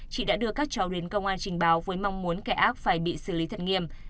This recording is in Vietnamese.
chị đã đưa các cháu đến công an trình báo với mong muốn kẻ ác phải bị xử lý thật nghiêm